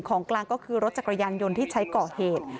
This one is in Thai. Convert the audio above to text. ของกลางก็คือรถจักรยานยนต์ที่ใช้ก่อเหตุ